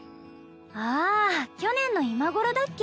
ああ去年の今頃だっけ